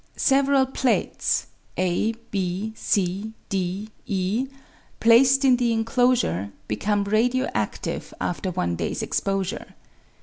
Several plates. A, B, c, D, E, placed in the inclosure become radio adive after one day's exposure.